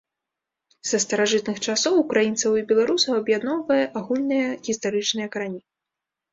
Са старажытных часоў ўкраінцаў і беларусаў аб'ядноўвае агульныя гістарычныя карані.